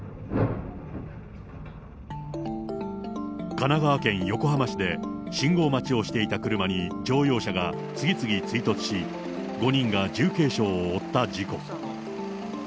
神奈川県横浜市で、信号待ちをしていた車に乗用車が次々追突し、５人が重軽傷を負った事故。